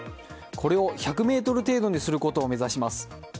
これを１００ｍ程度にすることを目指します。